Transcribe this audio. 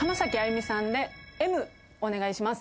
お願いします。